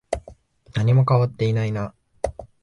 何も変わっていないな。